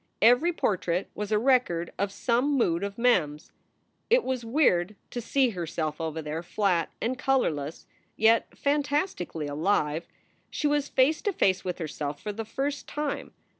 Every portrait was a record of some mood of Mem s. It was weird to see nerself over there flat and colorless, yet fantastically alive. She was face to face with herself for the first time.